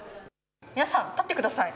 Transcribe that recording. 皆さん立ってください。